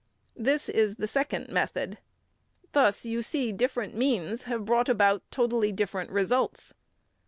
This is the second method. Thus, you see different means have brought about totally different results.